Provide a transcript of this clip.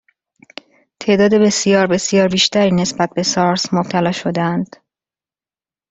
تعداد بسیار بسیار بیشتری نسبت به سارس مبتلا شدهاند